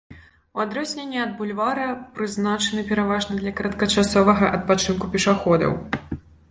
У адрозненне ад бульвара прызначаны пераважна для кароткачасовага адпачынку пешаходаў.